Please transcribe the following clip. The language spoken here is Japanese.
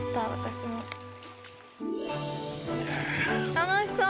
楽しそう！